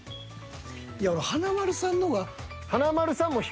いや俺華丸さんのが。